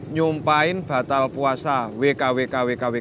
nyumpain batal puasa wk wk wk wk